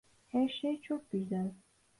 Her şey çok güzel.